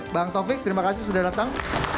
bang taufik terima kasih sudah datang